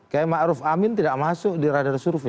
dua ribu sembilan belas kayak ma'ruf amin tidak masuk di radar survei